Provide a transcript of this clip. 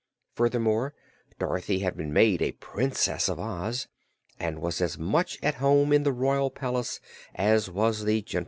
Furthermore, Dorothy had been made a Princess of Oz, and was as much at home in the royal palace as was the gentle Ruler.